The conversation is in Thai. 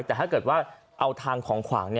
แต่ถ้าเกิดว่าเอาทางของขวาง